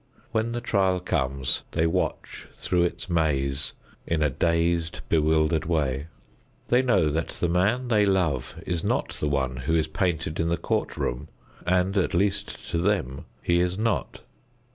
When the trial comes, they watch through its maze in a dazed, bewildered way. They know that the man they love is not the one who is painted in the court room, and at least to them he is not.